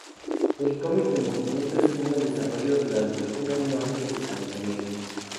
El cómic de movimiento estuvo en desarrollo durante un año antes de su lanzamiento.